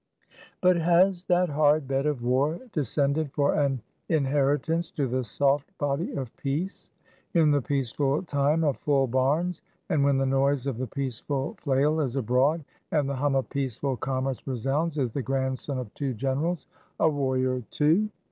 But has that hard bed of War, descended for an inheritance to the soft body of Peace? In the peaceful time of full barns, and when the noise of the peaceful flail is abroad, and the hum of peaceful commerce resounds, is the grandson of two Generals a warrior too?